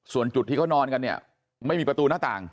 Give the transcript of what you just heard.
ส่วนจุดที่เขานอนกันเนี่ยไม่มีประตูหน้าต่าง